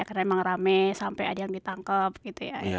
karena emang rame sampai ada yang ditangkep gitu ya